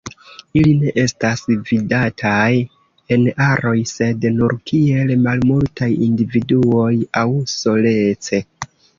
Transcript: Ili ne estas vidataj en aroj, sed nur kiel malmultaj individuoj aŭ solece.